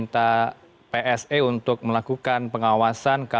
jadi tetap harus ada